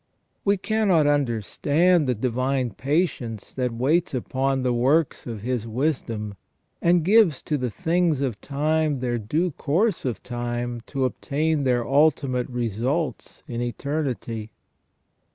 We cannot understand the divine patience that waits upon the works of His wisdom, and gives to the things of time their due course of time to obtain their ultimate results in eternity.